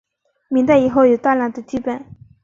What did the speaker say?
明代以后有大量的辑本。